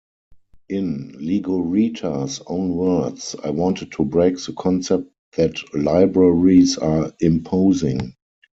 In Legorreta's own words: I wanted to break the concept that libraries are imposing.